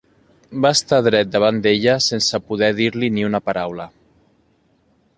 Va estar dret davant d'ella, sense poder dir-li ni una paraula.